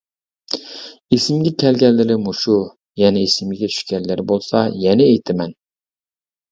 ئېسىمگە كەلگەنلىرى مۇشۇ، يەنە ئېسىمگە چۈشكەنلىرى بولسا يەنە ئېيتىمەن.